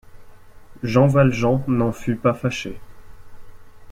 Jean Valjean n’en fut pas fâché.